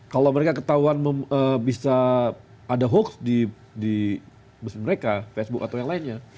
kalau mereka ketahuan bisa ada hoax di facebook mereka facebook atau yang lainnya